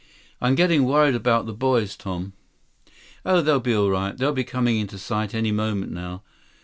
"I'm getting worried about the boys, Tom." "Oh, they'll be all right. They'll be coming into sight any moment now.